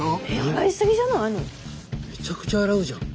めちゃくちゃ洗うじゃん。